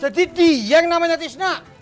jadi dia yang namanya tisna